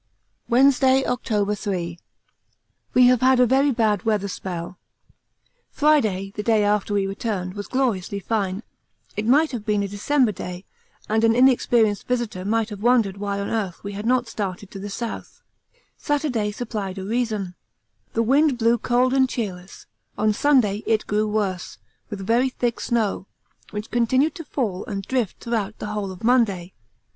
Wednesday, October 3. We have had a very bad weather spell. Friday, the day after we returned, was gloriously fine it might have been a December day, and an inexperienced visitor might have wondered why on earth we had not started to the South, Saturday supplied a reason; the wind blew cold and cheerless; on Sunday it grew worse, with very thick snow, which continued to fall and drift throughout the whole of Monday.